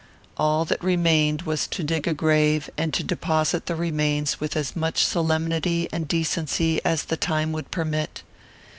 All that remained was to dig a grave, and to deposit the remains with as much solemnity and decency as the time would permit.